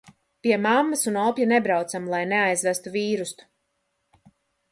Pie mammas un opja nebraucam, lai neaizvestu vīrusu.